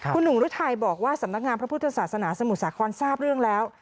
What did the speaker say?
คุณหนุ่มฤทัยบอกว่าสำนักงานพระพุทธศาสนาสมุทรสาครทราบเรื่องแล้ว